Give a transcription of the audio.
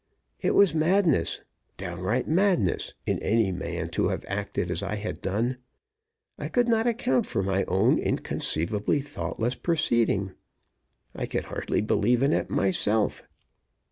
It was madness downright madness in any man to have acted as I had done. I could not account for my own inconceivably thoughtless proceeding. I could hardly believe in it myself.